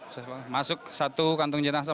saya masuk satu kantung jenazah